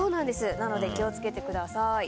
なので気を付けてください。